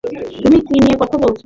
তুমি কী নিয়ে কথা বলছো?